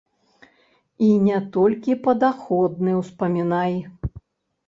І не толькі падаходны ўспамінай.